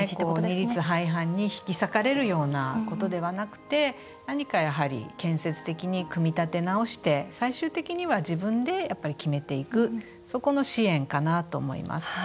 二律背反に引き裂かれるようなことではなくて何か建設的に組み立て直して最終的には自分で決めていくそこの支援かなと思います。